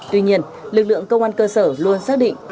tuy nhiên lực lượng công an cơ sở luôn xác định